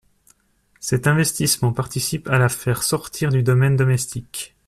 Cet investissement participe à la faire sortir du domaine domestique.